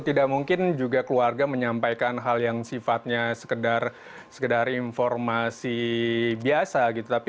tidak mungkin juga keluarga menyampaikan hal yang sifatnya sekedar informasi biasa gitu